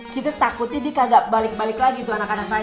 kita takutnya dia kagak balik balik lagi tuh anak anak lain